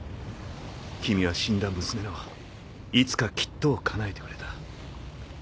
君は死んだ娘の「いつかきっと」を叶えてくれた。